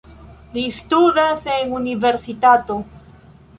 Li studas en universitato.